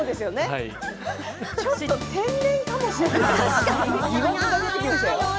ちょっと天然かもしれない。